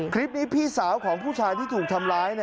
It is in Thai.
พี่สาวของผู้ชายที่ถูกทำร้าย